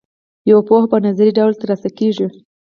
یوه پوهه په نظري ډول ترلاسه کیږي.